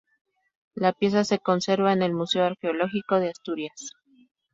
La pieza se conserva en el museo arqueológico de Asturias.